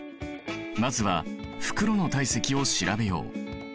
まずは袋の体積を調べよう。